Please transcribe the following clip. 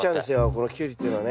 このキュウリっていうのはね。